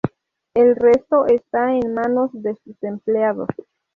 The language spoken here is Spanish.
El resto está en manos de sus empleados.